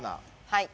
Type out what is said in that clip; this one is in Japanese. はい。